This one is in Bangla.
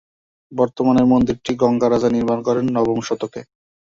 বর্তমানের মন্দিরটি গঙ্গা রাজা নির্মাণ করেন নবমশতকে।